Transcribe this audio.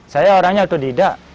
saya orangnya itu tidak